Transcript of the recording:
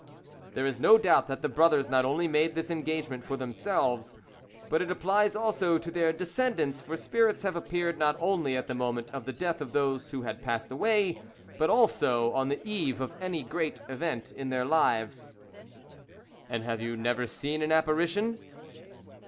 "There is no doubt that the brothers not only made this engagement for themselves, but it applies also to their descendants, for spirits have appeared not only at the moment of the death of those who had passed away, but also on the eve of any great event in their lives." "And have you never seen any apparition?"